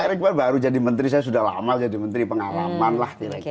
pak erick baru jadi menteri saya sudah lama jadi menteri pengalaman lah